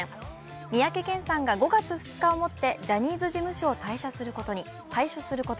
三宅健さんが５月２日をもってジャニーズ事務所を退所することに。